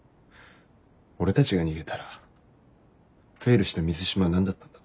俺たちが逃げたらフェイルした水島は何だったんだ。